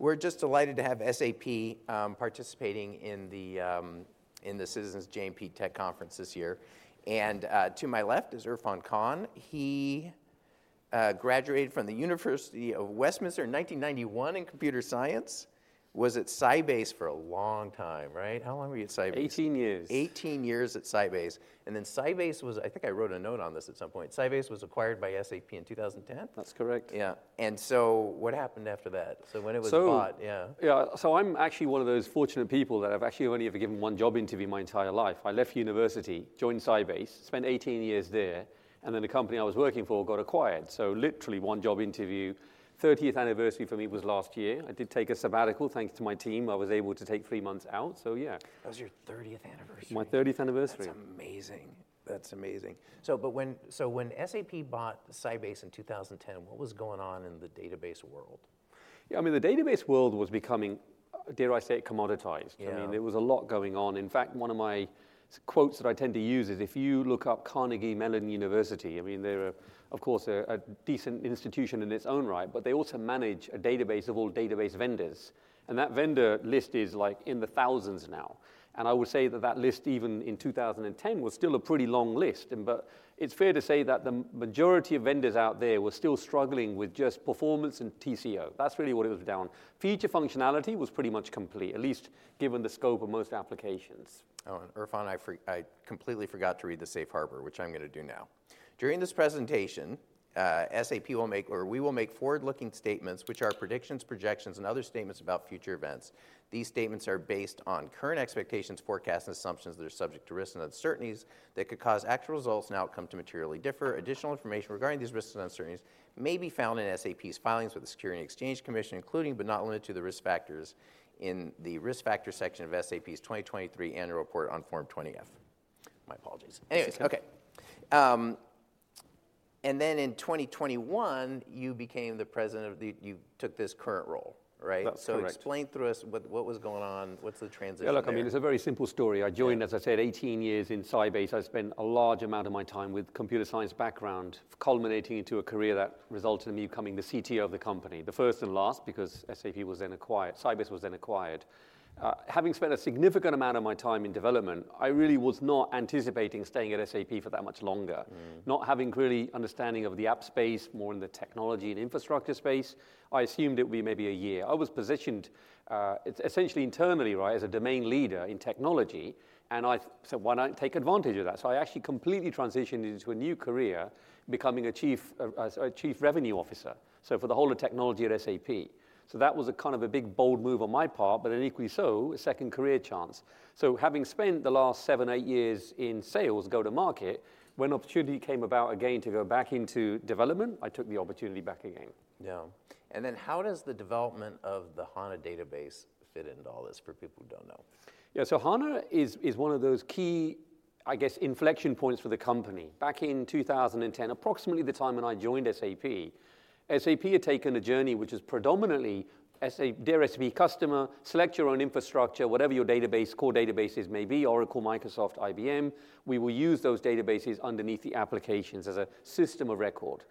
We're just delighted to have SAP participating in the Citizens JMP Tech Conference this year. To my left is Irfan Khan. He graduated from the University of Westminster in 1991 in Computer Science. Was at Sybase for a long time, right? How long were you at Sybase? 18 years. 18 years at Sybase. Then Sybase was, I think, I wrote a note on this at some point. Sybase was acquired by SAP in 2010? That's correct. Yeah. And so what happened after that? So when it was bought, yeah. So yeah. So I'm actually one of those fortunate people that have actually only ever given one job interview my entire life. I left university, joined Sybase, spent 18 years there, and then the company I was working for got acquired. So literally one job interview. 30th anniversary for me was last year. I did take a sabbatical. Thanks to my team, I was able to take three months out. So yeah. That was your 30th anniversary. My 30th anniversary. That's amazing. That's amazing. So when SAP bought Sybase in 2010, what was going on in the database world? Yeah. I mean, the database world was becoming, dare I say it, commoditized. I mean, there was a lot going on. In fact, one of my quotes that I tend to use is, "If you look up Carnegie Mellon University," I mean, they're, of course, a decent institution in its own right, but they also manage a database of all database vendors. And that vendor list is like in the thousands now. And I would say that that list, even in 2010, was still a pretty long list. But it's fair to say that the majority of vendors out there were still struggling with just performance and TCO. That's really what it was down. Feature functionality was pretty much complete, at least given the scope of most applications. Oh, and Irfan, I completely forgot to read the Safe Harbor, which I'm going to do now. "During this presentation, SAP will make or we will make forward-looking statements which are predictions, projections, and other statements about future events. These statements are based on current expectations, forecasts, and assumptions that are subject to risks and uncertainties that could cause actual results and outcomes to materially differ. Additional information regarding these risks and uncertainties may be found in SAP's filings with the Securities and Exchange Commission, including but not limited to the risk factors in the risk factor section of SAP's 2023 annual report on Form 20-F." My apologies. Anyways, okay. And then in 2021, you became the President of the, you took this current role, right? That's correct. So, explain through us what was going on. What's the transition? Yeah. Look, I mean, it's a very simple story. I joined, as I said, 18 years in Sybase. I spent a large amount of my time with computer science background culminating into a career that resulted in me becoming the CTO of the company, the first and last because SAP was then acquired. Sybase was then acquired. Having spent a significant amount of my time in development, I really was not anticipating staying at SAP for that much longer. Not having clearly understanding of the app space, more in the technology and infrastructure space, I assumed it would be maybe a year. I was positioned essentially internally, right, as a domain leader in technology. And I said, "Why not take advantage of that?" So I actually completely transitioned into a new career, becoming a chief revenue officer, so for the whole of technology at SAP. So that was a kind of a big bold move on my part, but then equally so, a second career chance. So having spent the last seven, eight years in sales, go-to-market, when opportunity came about again to go back into development, I took the opportunity back again. Yeah. And then how does the development of the HANA database fit into all this, for people who don't know? Yeah. So HANA is one of those key, I guess, inflection points for the company. Back in 2010, approximately the time when I joined SAP, SAP had taken a journey which is predominantly AnyDB customer, select your own infrastructure, whatever your database, core databases may be, Oracle, Microsoft, IBM. We will use those databases underneath the applications as a system of record.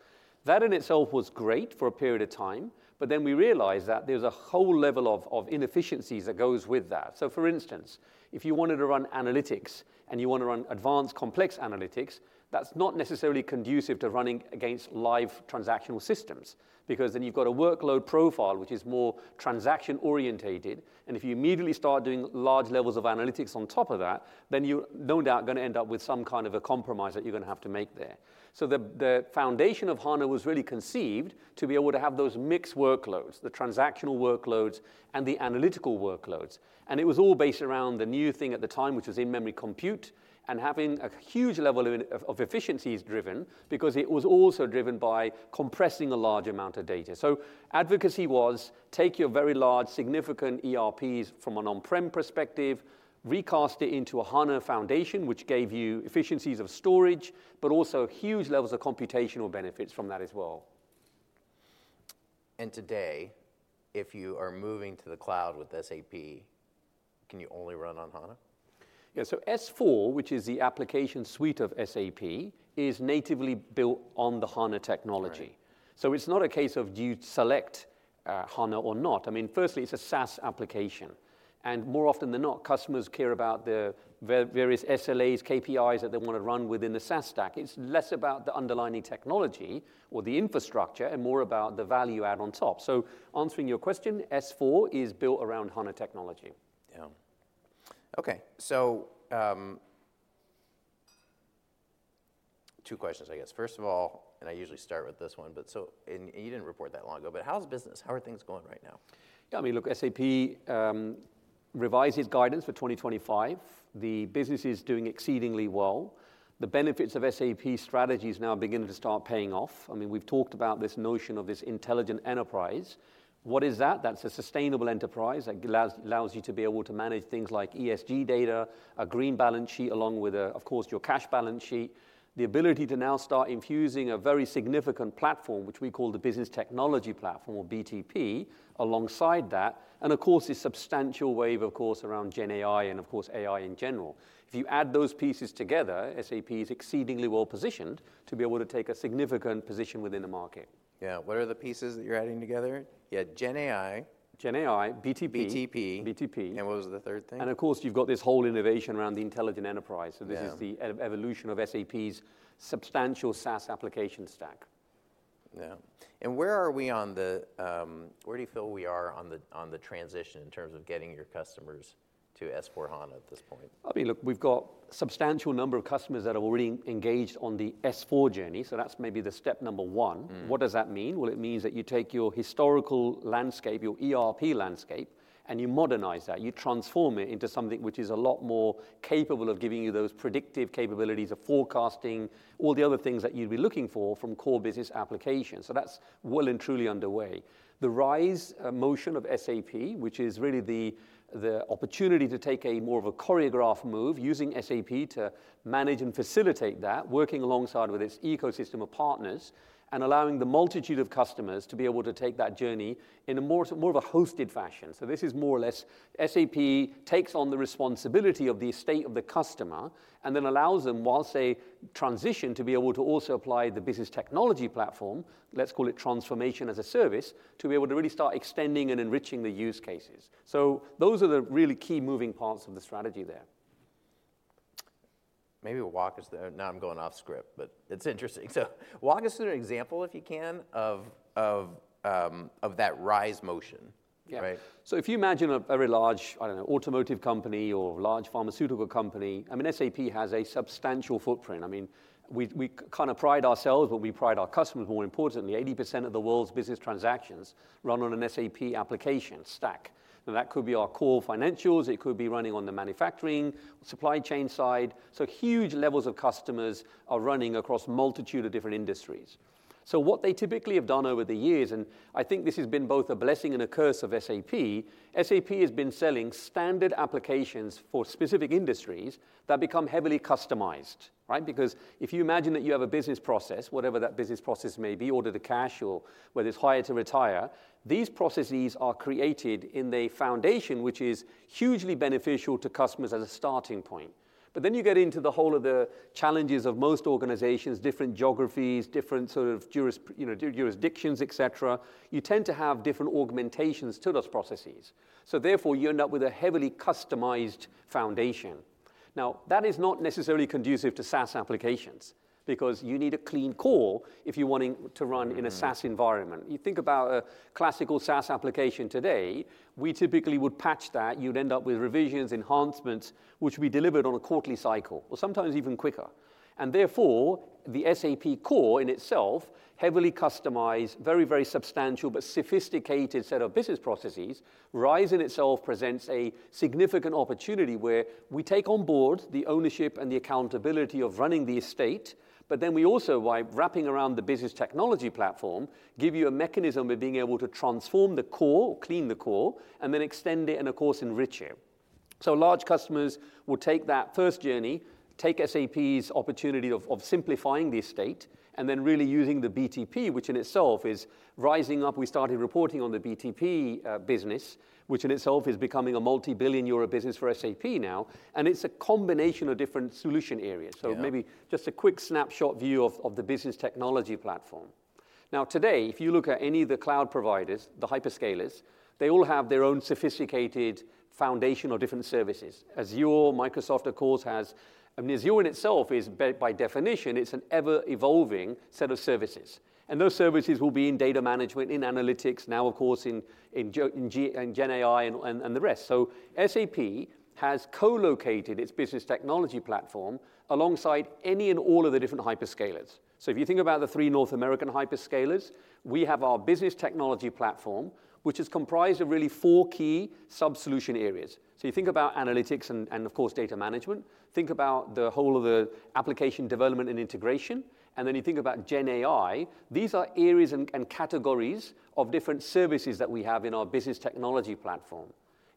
That in itself was great for a period of time, but then we realized that there's a whole level of inefficiencies that goes with that. So for instance, if you wanted to run analytics and you want to run advanced, complex analytics, that's not necessarily conducive to running against live transactional systems because then you've got a workload profile which is more transaction-oriented. If you immediately start doing large levels of analytics on top of that, then you're no doubt going to end up with some kind of a compromise that you're going to have to make there. The foundation of HANA was really conceived to be able to have those mixed workloads, the transactional workloads and the analytical workloads. It was all based around the new thing at the time, which was in-memory computing, and having a huge level of efficiencies driven because it was also driven by compressing a large amount of data. Advocacy was take your very large, significant ERPs from an on-prem perspective, recast it into a HANA foundation, which gave you efficiencies of storage, but also huge levels of computational benefits from that as well. Today, if you are moving to the cloud with SAP, can you only run on HANA? Yeah. So SAP S/4HANA, which is the application suite of SAP, is natively built on the HANA technology. So it's not a case of do you select HANA or not. I mean, firstly, it's a SaaS application. And more often than not, customers care about the various SLAs, KPIs that they want to run within the SaaS stack. It's less about the underlying technology or the infrastructure and more about the value add on top. So answering your question, SAP S/4HANA is built around HANA technology. Yeah. Okay. So two questions, I guess. First of all, and I usually start with this one, but so and you didn't report that long ago, but how's business? How are things going right now? Yeah. I mean, look, SAP revised its guidance for 2025. The business is doing exceedingly well. The benefits of SAP strategies now are beginning to start paying off. I mean, we've talked about this notion of this Intelligent Enterprise. What is that? That's a sustainable enterprise that allows you to be able to manage things like ESG data, a green balance sheet along with, of course, your cash balance sheet, the ability to now start infusing a very significant platform, which we call the Business Technology Platform or BTP, alongside that, and of course, this substantial wave, of course, around GenAI and, of course, AI in general. If you add those pieces together, SAP is exceedingly well positioned to be able to take a significant position within the market. Yeah. What are the pieces that you're adding together? You had GenAI. GenAI, BTP. BTP. BTP. What was the third thing? Of course, you've got this whole innovation around the Intelligent Enterprise. This is the evolution of SAP's substantial SaaS application stack. Yeah. Where do you feel we are on the transition in terms of getting your customers to SAP S/4HANA at this point? I mean, look, we've got a substantial number of customers that are already engaged on the SAP S/4HANA journey. So that's maybe the step number one. What does that mean? Well, it means that you take your historical landscape, your ERP landscape, and you modernize that. You transform it into something which is a lot more capable of giving you those predictive capabilities of forecasting, all the other things that you'd be looking for from core business applications. So that's well and truly underway. The RISE motion of SAP, which is really the opportunity to take a more of a choreographed move, using SAP to manage and facilitate that, working alongside with its ecosystem of partners, and allowing the multitude of customers to be able to take that journey in a more of a hosted fashion. So this is more or less SAP takes on the responsibility of the state of the customer and then allows them, whilst they transition, to be able to also apply the Business Technology Platform, let's call it transformation as a service, to be able to really start extending and enriching the use cases. So those are the really key moving parts of the strategy there. Maybe you'll walk us through now. I'm going off-script, but it's interesting. So walk us through an example, if you can, of that RISE with SAP motion right? Yeah. So if you imagine a very large, I don't know, automotive company or a large pharmaceutical company, I mean, SAP has a substantial footprint. I mean, we kind of pride ourselves, but we pride our customers more importantly. 80% of the world's business transactions run on an SAP application stack. And that could be our core financials. It could be running on the manufacturing, supply chain side. So huge levels of customers are running across a multitude of different industries. So what they typically have done over the years, and I think this has been both a blessing and a curse of SAP, SAP has been selling standard applications for specific industries that become heavily customized, right? Because if you imagine that you have a business process, whatever that business process may be, order to cash or whether it's hire to retire, these processes are created in a foundation which is hugely beneficial to customers as a starting point. But then you get into the whole of the challenges of most organizations, different geographies, different sort of jurisdictions, et cetera. You tend to have different augmentations to those processes. So therefore, you end up with a heavily customized foundation. Now, that is not necessarily conducive to SaaS applications because you need a clean core if you're wanting to run in a SaaS environment. You think about a classical SaaS application today, we typically would patch that. You'd end up with revisions, enhancements, which we delivered on a quarterly cycle or sometimes even quicker. Therefore, the SAP core in itself, heavily customized, very, very substantial but sophisticated set of business processes, RISE in itself presents a significant opportunity where we take on board the ownership and the accountability of running the estate, but then we also, by wrapping around the Business Technology Platform, give you a mechanism of being able to transform the core, clean the core, and then extend it and, of course, enrich it. So large customers will take that first journey, take SAP's opportunity of simplifying the estate, and then really using the BTP, which in itself is rising up. We started reporting on the BTP business, which in itself is becoming a multi-billion euro business for SAP now. And it's a combination of different solution areas. So maybe just a quick snapshot view of the Business Technology Platform. Now, today, if you look at any of the cloud providers, the hyperscalers, they all have their own sophisticated foundation or different services. Azure, Microsoft, of course, has, I mean, Azure in itself is, by definition, it's an ever-evolving set of services. And those services will be in data management, in analytics, now, of course, in GenAI and the rest. So SAP has co-located its Business Technology Platform alongside any and all of the different hyperscalers. So if you think about the three North American hyperscalers, we have our Business Technology Platform, which is comprised of really four key subsolution areas. So you think about analytics and, of course, data management. Think about the whole of the application development and integration. And then you think about GenAI. These are areas and categories of different services that we have in our Business Technology Platform.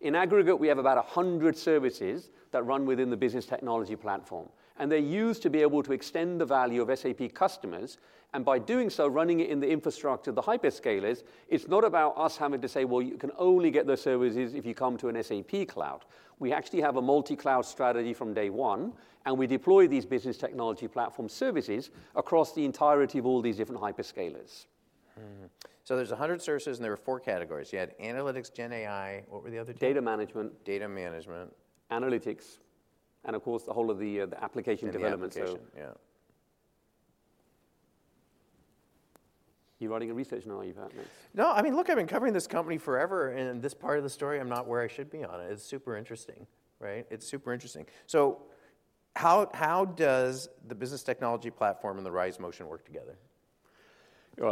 In aggregate, we have about 100 services that run within the Business Technology Platform. They're used to be able to extend the value of SAP customers. By doing so, running it in the infrastructure of the hyperscalers, it's not about us having to say, "Well, you can only get those services if you come to an SAP cloud." We actually have a multi-cloud strategy from day one, and we deploy these Business Technology Platform services across the entirety of all these different hyperscalers. There's 100 services, and there were four categories. You had analytics, GenAI, what were the other two? Data management. Data management. Analytics, and of course, the whole of the application development. Application, yeah. You're writing a research now, are you? No. I mean, look, I've been covering this company forever. In this part of the story, I'm not where I should be on it. It's super interesting, right? It's super interesting. So how does the Business Technology Platform and RISE with SAP motion work together? Yeah.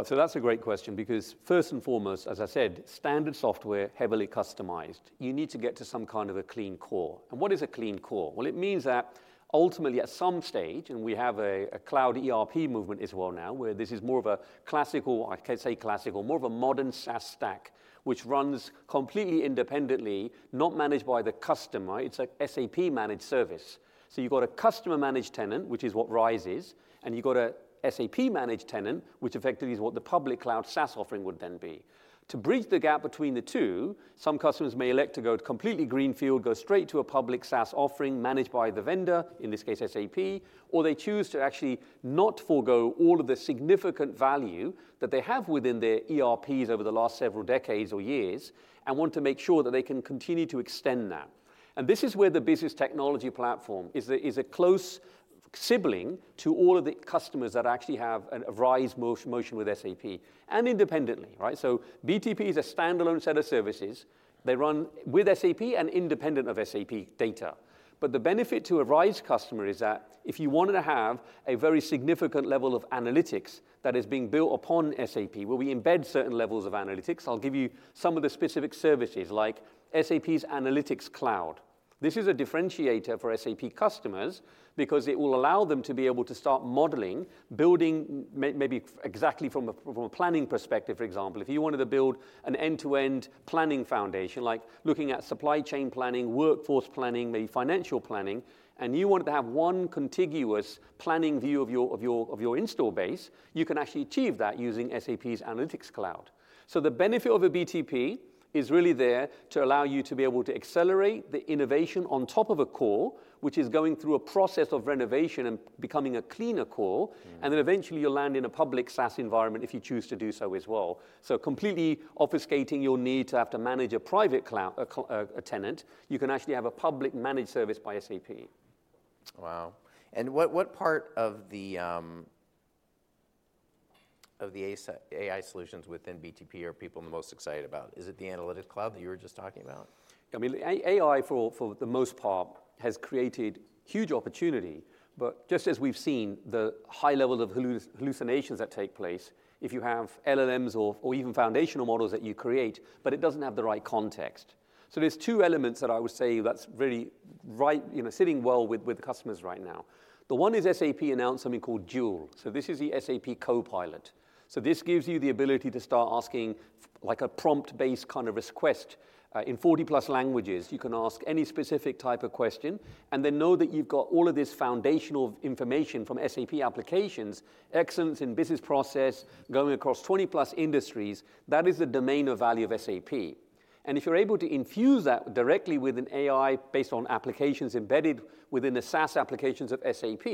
So that's a great question because first and foremost, as I said, standard software, heavily customized. You need to get to some kind of a clean core. And what is a clean core? Well, it means that ultimately, at some stage, and we have a cloud ERP movement as well now, where this is more of a classical, I can't say classical, more of a modern SaaS stack, which runs completely independently, not managed by the customer, right? It's an SAP-managed service. So you've got a customer-managed tenant, which is what RISE is, and you've got an SAP-managed tenant, which effectively is what the public cloud SaaS offering would then be. To bridge the gap between the two, some customers may elect to go completely greenfield, go straight to a public SaaS offering managed by the vendor, in this case, SAP, or they choose to actually not forgo all of the significant value that they have within their ERPs over the last several decades or years and want to make sure that they can continue to extend that. This is where the Business Technology Platform is a close sibling to all of the customers that actually have a RISE motion with SAP and independently, right? BTP is a standalone set of services. They run with SAP and independent of SAP data. But the benefit to a RISE customer is that if you wanted to have a very significant level of analytics that is being built upon SAP, where we embed certain levels of analytics, I'll give you some of the specific services like SAP's Analytics Cloud. This is a differentiator for SAP customers because it will allow them to be able to start modeling, building maybe exactly from a planning perspective. For example, if you wanted to build an end-to-end planning foundation, like looking at supply chain planning, workforce planning, maybe financial planning, and you wanted to have one contiguous planning view of your in-store base, you can actually achieve that using SAP's Analytics Cloud. The benefit of a BTP is really there to allow you to be able to accelerate the innovation on top of a core, which is going through a process of renovation and becoming a cleaner core. Then eventually, you'll land in a public SaaS environment if you choose to do so as well. Completely obfuscating your need to have to manage a private tenant, you can actually have a public managed service by SAP. Wow. And what part of the AI solutions within BTP are people the most excited about? Is it the Analytics Cloud that you were just talking about? Yeah. I mean, AI, for the most part, has created huge opportunity. But just as we've seen the high level of hallucinations that take place if you have LLMs or even foundational models that you create, but it doesn't have the right context. So there's two elements that I would say that's really sitting well with customers right now. The one is SAP announced something called Joule. So this is the SAP copilot. So this gives you the ability to start asking like a prompt-based kind of request in 40+ languages. You can ask any specific type of question and then know that you've got all of this foundational information from SAP applications, excellence in business process, going across 20+ industries. That is the domain of value of SAP. If you're able to infuse that directly with an AI based on applications embedded within the SaaS applications of SAP,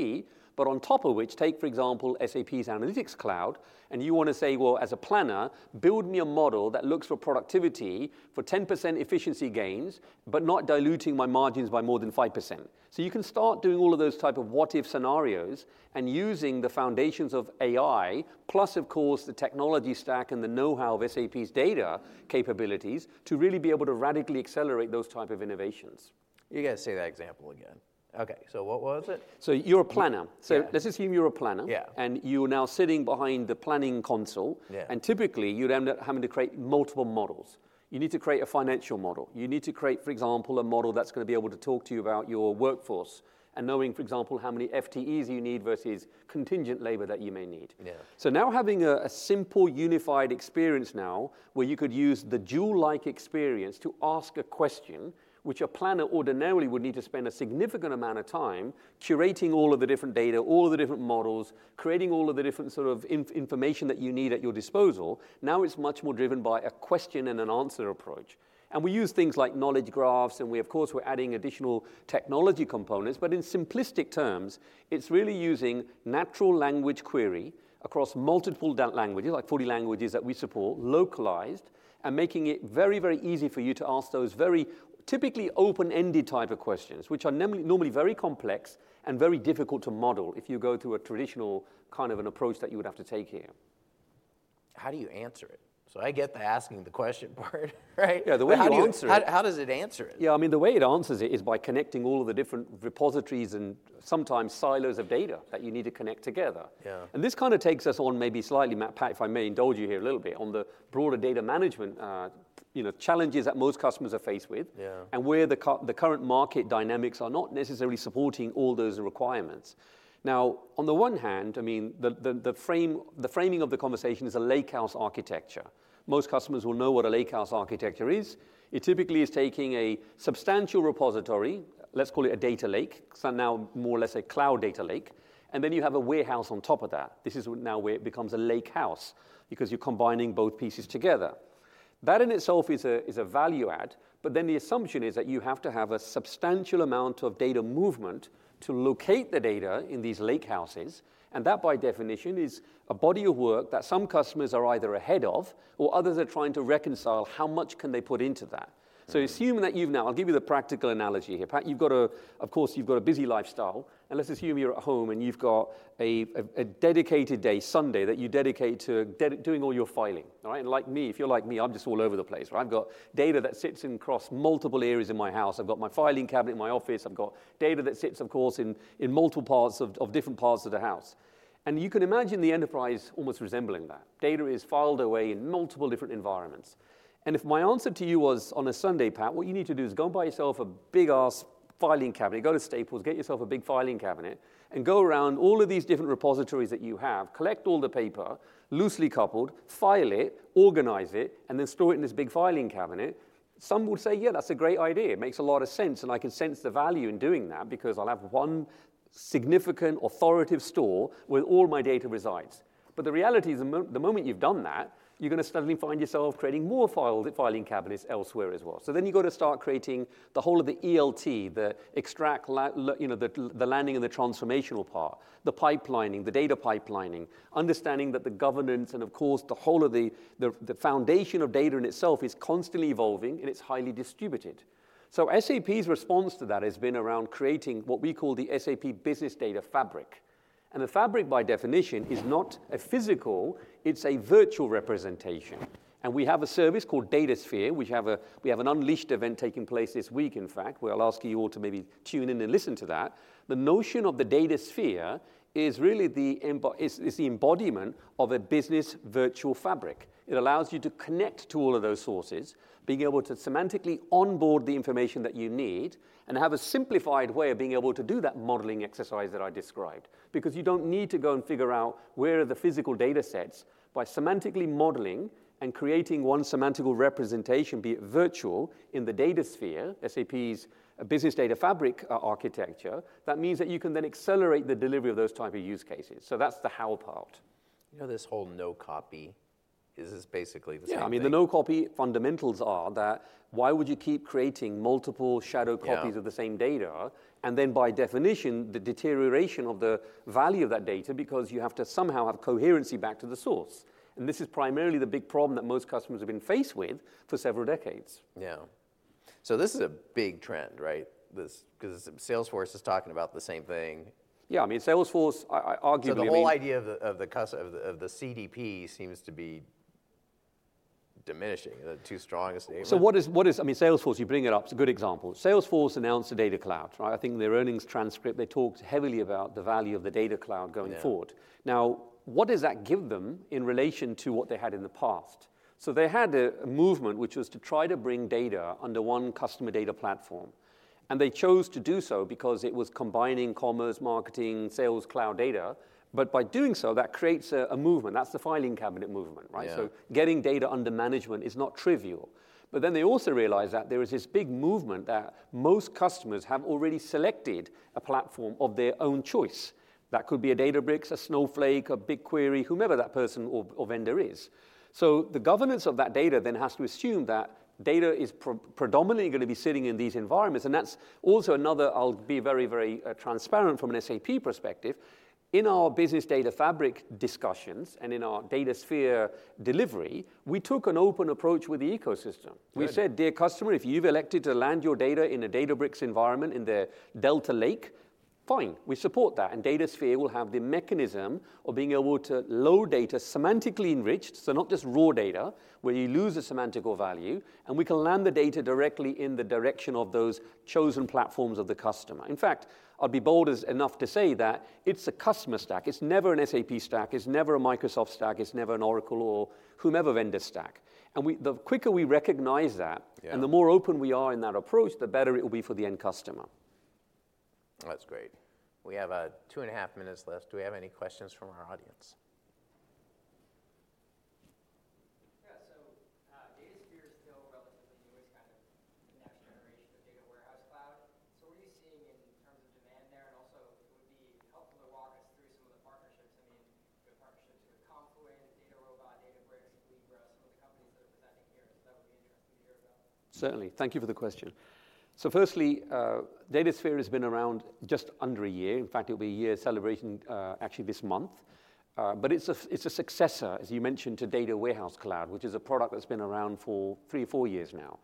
but on top of which, take, for example, SAP Analytics Cloud, and you want to say, "Well, as a planner, build me a model that looks for productivity for 10% efficiency gains but not diluting my margins by more than 5%." So you can start doing all of those type of what-if scenarios and using the foundations of AI plus, of course, the technology stack and the know-how of SAP's data capabilities to really be able to radically accelerate those type of innovations. You got to say that example again. Okay. So what was it? You're a planner. Let's assume you're a planner. Yeah. You're now sitting behind the planning console. Typically, you'd end up having to create multiple models. You need to create a financial model. You need to create, for example, a model that's going to be able to talk to you about your workforce and knowing, for example, how many FTEs you need versus contingent labor that you may need. Yeah. So now having a simple, unified experience now where you could use the Joule-like experience to ask a question, which a planner ordinarily would need to spend a significant amount of time curating all of the different data, all of the different models, creating all of the different sort of information that you need at your disposal, now it's much more driven by a question and an answer approach. And we use things like knowledge graphs, and we, of course, we're adding additional technology components. But in simplistic terms, it's really using natural language query across multiple languages, like 40 languages that we support, localized, and making it very, very easy for you to ask those very typically open-ended type of questions, which are normally very complex and very difficult to model if you go through a traditional kind of an approach that you would have to take here. How do you answer it? So I get the asking the question part, right? Yeah. The way How do you answer it? How does it answer it? Yeah. I mean, the way it answers it is by connecting all of the different repositories and sometimes silos of data that you need to connect together. And this kind of takes us on maybe slightly, If I may indulge you here a little bit, on the broader data management challenges that most customers are faced with and where the current market dynamics are not necessarily supporting all those requirements. Now, on the one hand, I mean, the framing of the conversation is a lakehouse architecture. Most customers will know what a lakehouse architecture is. It typically is taking a substantial repository, let's call it a data lake, now more or less a cloud data lake. And then you have a warehouse on top of that. This is now where it becomes a lakehouse because you're combining both pieces together. That in itself is a value add. But then the assumption is that you have to have a substantial amount of data movement to locate the data in these lakehouses. And that, by definition, is a body of work that some customers are either ahead of or others are trying to reconcile how much can they put into that. So assume that you've now I'll give you the practical analogy here. Of course, you've got a busy lifestyle. And let's assume you're at home and you've got a dedicated day, Sunday, that you dedicate to doing all your filing, all right? And like me, if you're like me, I'm just all over the place, right? I've got data that sits across multiple areas in my house. I've got my filing cabinet in my office. I've got data that sits, of course, in multiple parts of different parts of the house. You can imagine the enterprise almost resembling that. Data is filed away in multiple different environments. If my answer to you was on a Sunday, what you need to do is go and buy yourself a big-ass filing cabinet. Go to Staples, get yourself a big filing cabinet, and go around all of these different repositories that you have, collect all the paper, loosely coupled, file it, organize it, and then store it in this big filing cabinet. Some would say, "Yeah, that's a great idea. It makes a lot of sense. And I can sense the value in doing that because I'll have one significant, authoritative store where all my data resides." But the reality is, the moment you've done that, you're going to suddenly find yourself creating more filing cabinets elsewhere as well. So then you've got to start creating the whole of the ELT, the extract, the landing, and the transformational part, the pipelining, the data pipelining, understanding that the governance and, of course, the whole of the foundation of data in itself is constantly evolving, and it's highly distributed. So SAP's response to that has been around creating what we call the SAP business data fabric. And the fabric, by definition, is not a physical. It's a virtual representation. And we have a service called Datasphere. We have an Unleashed event taking place this week, in fact, where I'll ask you all to maybe tune in and listen to that. The notion of the Datasphere is really the embodiment of a business virtual fabric. It allows you to connect to all of those sources, being able to semantically onboard the information that you need, and have a simplified way of being able to do that modeling exercise that I described because you don't need to go and figure out where are the physical data sets by semantically modeling and creating one semantical representation, be it virtual, in the Datasphere, SAP's business data fabric architecture. That means that you can then accelerate the delivery of those type of use cases. So that's the how part. You know, this whole no copy is basically the same. Yeah. I mean, the no copy fundamentals are that why would you keep creating multiple shadow copies of the same data? And then, by definition, the deterioration of the value of that data because you have to somehow have coherency back to the source. And this is primarily the big problem that most customers have been faced with for several decades. Yeah. This is a big trend, right? Because Salesforce is talking about the same thing. Yeah. I mean, Salesforce, arguably. The whole idea of the CDP seems to be diminishing. Is that too strong a statement? So what is, I mean, Salesforce, you bring it up. It's a good example. Salesforce announced the Data Cloud, right? I think in their earnings transcript, they talked heavily about the value of the Data Cloud going forward. Now, what does that give them in relation to what they had in the past? So they had a movement, which was to try to bring data under one Customer Data Platform. And they chose to do so because it was combining Commerce, Marketing, Sales Cloud data. But by doing so, that creates a movement. That's the filing cabinet movement, right? So getting data under management is not trivial. But then they also realized that there is this big movement that most customers have already selected a platform of their own choice. That could be a Databricks, a Snowflake, a BigQuery, whomever that person or vendor is. So the governance of that data then has to assume that data is predominantly going to be sitting in these environments. And that's also another. I'll be very, very transparent from an SAP perspective, in our business data fabric discussions and in our Datasphere delivery, we took an open approach with the ecosystem. We said, "Dear customer, if you've elected to land your data in a Databricks environment in the Delta Lake, fine. We support that. And Datasphere will have the mechanism of being able to load data semantically enriched, so not just raw data where you lose the semantical value. And we can land the data directly in the direction of those chosen platforms of the customer." In fact, I'll be bold enough to say that it's a customer stack. It's never an SAP stack. It's never a Microsoft stack. It's never an Oracle or whomever vendor stack. The quicker we recognize that and the more open we are in that approach, the better it will be for the end customer. That's great. We have two and a half minutes left. Do we have any questions from our audience? Yeah. So Datasphere is still relatively new. It's kind of the next generation of Data Warehouse Cloud. So what are you seeing in terms of demand there? And also, it would be helpful to walk us through some of the partnerships. I mean, you have partnerships with Confluent, DataRobot, Databricks, Collibra, some of the companies that are presenting here. So that would be interesting to hear about. Certainly. Thank you for the question. So firstly, Datasphere has been around just under a year. In fact, it'll be a year celebration actually this month. But it's a successor, as you mentioned, to Data Warehouse Cloud, which is a product that's been around for three or four years now.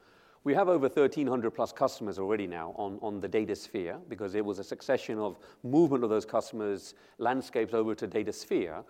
We have over 1,300+ customers already now on the Datasphere because it was a succession of movement of those customers' landscapes over to Datasphere.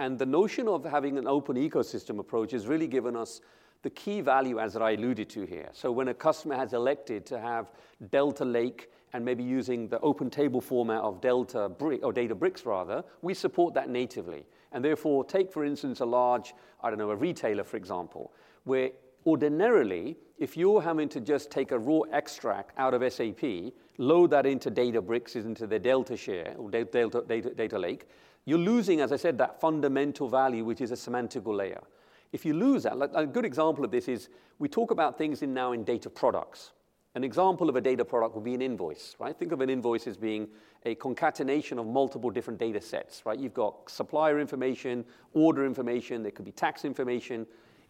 And the notion of having an open ecosystem approach has really given us the key value, as I alluded to here. So when a customer has elected to have Delta Lake and maybe using the open table format of Delta or Databricks, rather, we support that natively. Therefore, take, for instance, a large, I don't know, a retailer, for example, where ordinarily, if you're having to just take a raw extract out of SAP, load that into Databricks and into their Delta Share or Delta Lake, you're losing, as I said, that fundamental value, which is a semantical layer. If you lose that, a good example of this is we talk about things now in data products. An example of a data product would be an invoice, right? Think of an invoice as being a concatenation of multiple different data sets, right? You've got supplier information, order information. There could be tax information.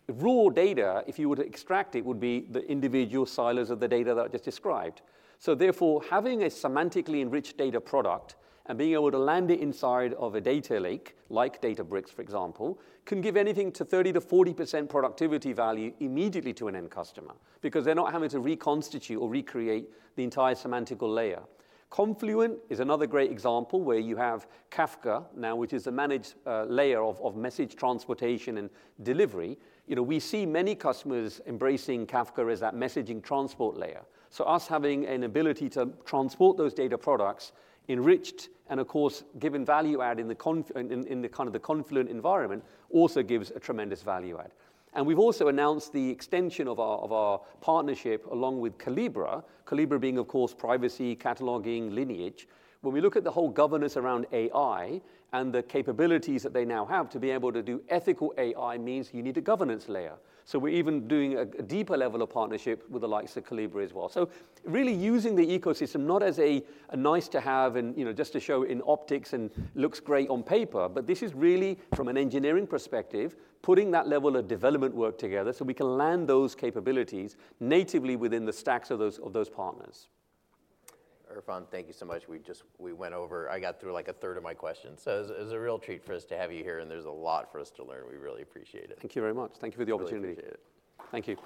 Raw data, if you were to extract it, would be the individual silos of the data that I just described. So therefore, having a semantically enriched data product and being able to land it inside of a data lake like Databricks, for example, can give anything to 30%-40% productivity value immediately to an end customer because they're not having to reconstitute or recreate the entire semantical layer. Confluent is another great example where you have Kafka now, which is a managed layer of message transportation and delivery. We see many customers embracing Kafka as that messaging transport layer. So us having an ability to transport those data products, enriched and, of course, given value add in the kind of the Confluent environment, also gives a tremendous value add. And we've also announced the extension of our partnership along with Collibra, Collibra being, of course, privacy, cataloging, lineage. When we look at the whole governance around AI and the capabilities that they now have to be able to do ethical AI means you need a governance layer. So we're even doing a deeper level of partnership with the likes of Collibra as well. So really using the ecosystem not as a nice-to-have and just to show in optics and looks great on paper, but this is really, from an engineering perspective, putting that level of development work together so we can land those capabilities natively within the stacks of those partners. Irfan, thank you so much. We went over. I got through like a third of my questions. So it was a real treat for us to have you here. There's a lot for us to learn. We really appreciate it. Thank you very much. Thank you for the opportunity. I really appreciate it. Thank you.